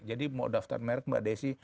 jadi mau daftar merk mbak desi